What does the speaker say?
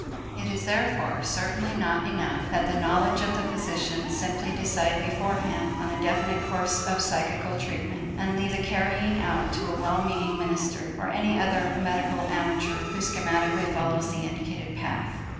It is therefore certainly not enough that the knowledge of the physician simply decide beforehand on a definite course of psychical treatment and leave the carrying out to a well meaning minister or any other medical amateur who schematically follows the indicated path.